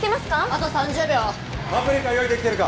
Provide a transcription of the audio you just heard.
あと３０秒パプリカ用意できてるか？